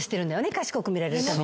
賢く見られるために。